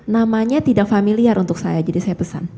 namanya tidak familiar untuk saya jadi saya pesan